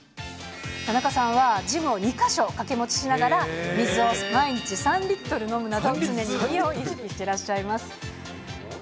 田中さんはジムを２か所、掛け持ちしながら、水を毎日３リットル飲むなど、常に美を意識してらっしゃいます。